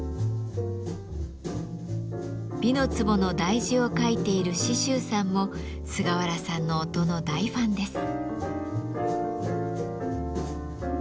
「美の壺」の題字を書いている紫舟さんも菅原さんの音の大ファンです。